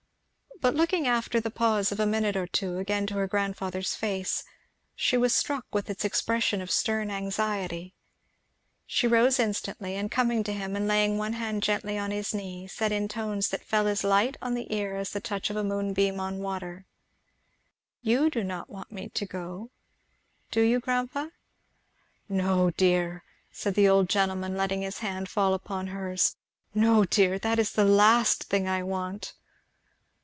But looking after the pause of a minute or two again to her grandfather's face, she was struck with its expression of stern anxiety. She rose instantly, and coming to him and laying one hand gently on his knee, said in tones that fell as light on the ear as the touch of a moonbeam on the water, "You do not want me to go, do you, grandpa?" "No dear!" said the old gentleman, letting his hand fall upon hers, "no dear! that is the last thing I want!"